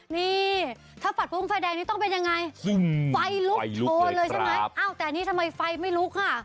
นี่ถ้าฝัดฟุ้งไฟแดงนี้ต้องเป็นยังไงไฟลุกโชนเลยใช่ไหมอ้าวแต่อันนี้ทำไมไฟไม่ลุกค่ะ